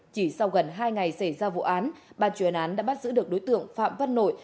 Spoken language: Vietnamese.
chỉ sau gần hai ngày xảy ra vụ án ban chuyên án đã bắt giữ được đối tượng phạm văn nội